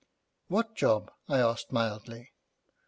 'What job?' I asked mildly.